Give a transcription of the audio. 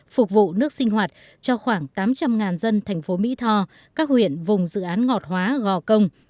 phục vụ nước sinh hoạt cho khoảng tám trăm linh dân thành phố mỹ tho các huyện vùng dự án ngọt hóa gò công